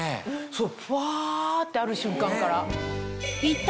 そうふわってある瞬間から。